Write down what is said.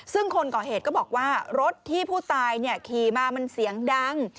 ซึ่งคนก่อเหตุก็บอกว่ารถที่ผู้ตายขี่มามันเสียงดัง